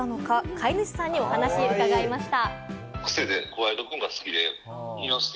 飼い主さんにお話を伺いました。